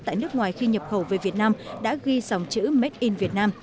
tại nước ngoài khi nhập khẩu về việt nam đã ghi dòng chữ made in vietnam